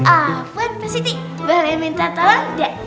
affan positi boleh minta tolong gak